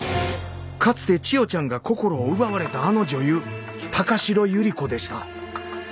かつて千代ちゃんが心を奪われたあの女優高城百合子でした。